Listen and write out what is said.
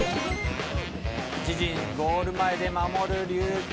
自陣ゴール前で守る琉球。